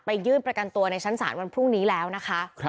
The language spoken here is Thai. ยื่นประกันตัวในชั้นศาลวันพรุ่งนี้แล้วนะคะ